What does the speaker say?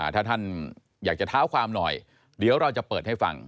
ถ้าท่านอยากจะเท้าความหน่อยเดี๋ยวเราจะเปิดให้ฟัง